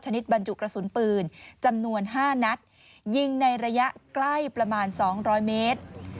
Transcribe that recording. ชนิดบรรจุกระสุนปืนจำนวนห้านัดยิงในระยะใกล้ประมาณสองร้อยเมตร